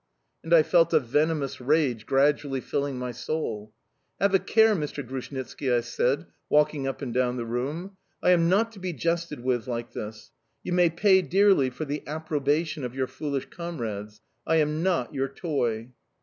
And I felt a venomous rage gradually filling my soul. "Have a care, Mr. Grushnitski!" I said, walking up and down the room: "I am not to be jested with like this! You may pay dearly for the approbation of your foolish comrades. I am not your toy!"...